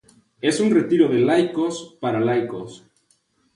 Es un retiro de laicos para laicos.